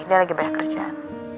dia lagi bayar kerjaan